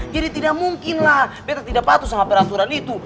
jadi tidak mungkinlah betta tidak patuh sama peraturan itu